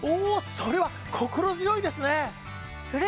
それは心強いですね！